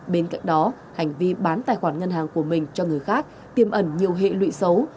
bên cạnh đó hành vi bán tài khoản ngân hàng của mình cho người khác tiêm ẩn nhiều hệ lụy xấu